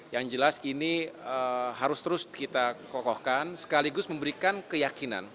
yang jelas ini harus terus kita kokohkan sekaligus memberikan keyakinan